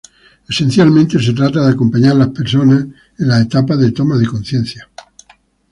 Esencialmente, se trata de acompañar la persona en las etapas de toma de conciencia.